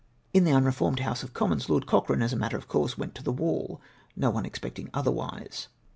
In the unreformed House of Commons Lord Cochrane, as a matter of course, went to the wall, no one expecting otherwise.